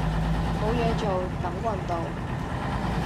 冇嘢做等運到